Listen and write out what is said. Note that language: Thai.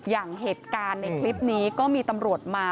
อย่างเหตุการณ์ในคลิปนี้ก็มีตำรวจมา